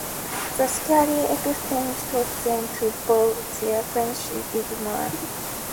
The scary experience taught them to value their friendship even more.